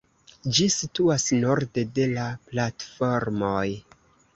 Ĝi situas norde de la platformoj.